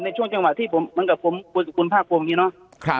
ในช่วงจังหวะที่ผมมันกับผมคุณภาครัวมีเนอะ